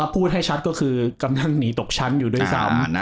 พูดให้ชัดก็คือกำลังหนีตกชั้นอยู่ด้วยซ้ำ